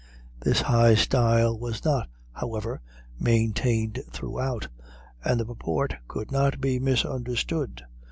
This high style was not, however, maintained throughout, and the purport could not be misunderstood.